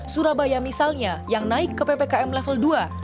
surabaya misalnya yang naik ke ppkm level dua